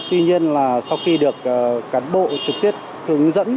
tuy nhiên là sau khi được cán bộ trực tiếp hướng dẫn